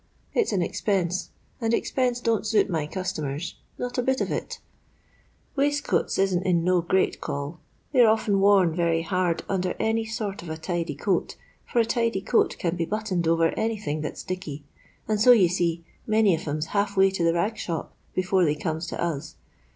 It's an expense, and eipenses don't suit my customers — not a bit of it *' Waistcoats isn't in no great call. They 're often worn very hard under any sort of a tidy coat, for a tidy coat can be buttoned over any thing that's 'dicky,' and so, you see, many of 'em 's half way to the rag shop before they comes to us.